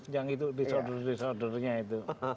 yang itu disorder disordernya itu